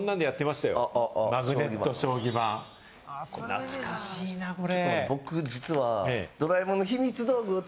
懐かしいなこれ。